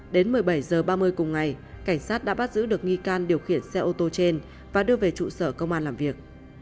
đến một mươi bảy h ba mươi cùng ngày cảnh sát đã bắt giữ được nghi can điều khiển xe ô tô trên và đưa về trụ sở công an làm việc